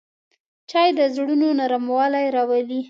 چای د زړونو نرموالی راولي